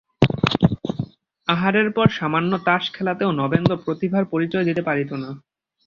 আহারের পর সামান্য তাস খেলাতেও নবেন্দু প্রতিভার পরিচয় দিতে পারিত না।